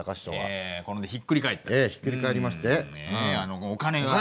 ええひっくり返りまして。